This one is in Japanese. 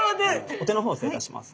お手の方失礼いたします。